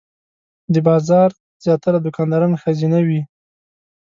د بازار زیاتره دوکانداران ښځینه وې.